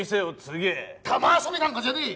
球遊びなんかじゃねえ！